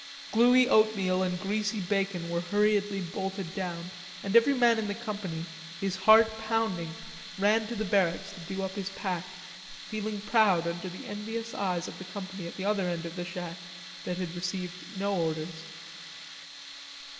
Gluey oatmeal and greasy bacon were hurriedly bolted down, and every man in the company, his heart pounding, ran to the barracks to do up his pack, feeling proud under the envious eyes of the company at the other end of the shack that had received no orders.